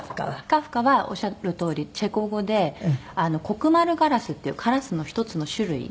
「カフカ」はおっしゃるとおりチェコ語でコクマルガラスっていうカラスの一つの種類なんですよ